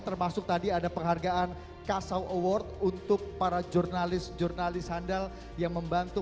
termasuk tadi ada penghargaan kasau award untuk para jurnalis jurnalis handal yang membantu